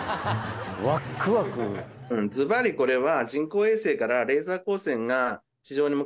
ずばりこれは。